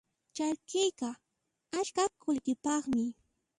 Ch'arkiyqa askha qullqipaqmi.